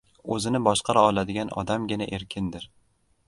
O‘zini boshqara oladigan odamgina erkindir.